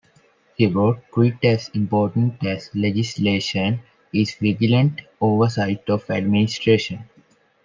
He wrote, "Quite as important as legislation is vigilant oversight of administration".